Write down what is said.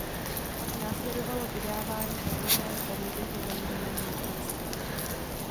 Pak následovalo vydávání odborného periodika zaměřeného na ptactvo.